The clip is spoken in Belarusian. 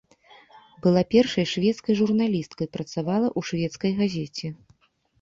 Была першай шведскай журналісткай, працавала ў шведскай газеце.